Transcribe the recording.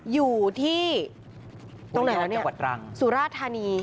อยู่ที่ตรงไหนวะเนี่ยสุราธานี